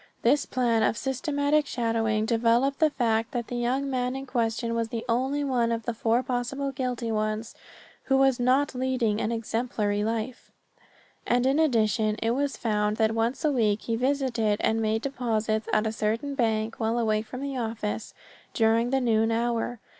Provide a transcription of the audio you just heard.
This plan of systematic shadowing developed the fact that the young man in question was the only one of the four possible guilty ones who was not leading an exemplary life, and in addition it was found that once a week he visited and made deposits at a certain bank while away from the office during the noon hour.